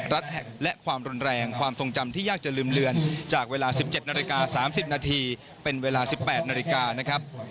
รัดแฮ็กและความร้อนแรงความทรงจำที่ยากจะลืมเหลือนจากเวลาสิบเจ็ดนาฬิกาสามสิบนาทีเป็นเวลาสิบแปดนาฬิกานะครับ